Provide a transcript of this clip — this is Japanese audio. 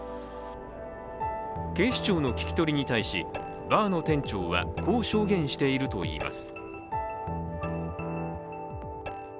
警視庁の聞き取りに対し、バーの店長はこう証言しているといいます。